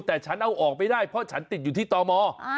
แต่ฉันเอาออกไม่ได้เพราะฉันติดอยู่ที่ตม